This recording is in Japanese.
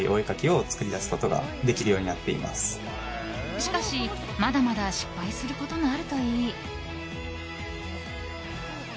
しかし、まだまだ失敗することもあるといい。